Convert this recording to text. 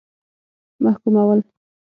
محکومول.